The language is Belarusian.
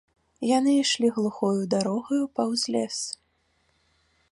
Яны ішлі глухою дарогаю паўз лес.